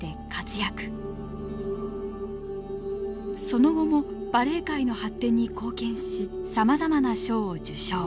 その後もバレエ界の発展に貢献しさまざまな賞を受賞。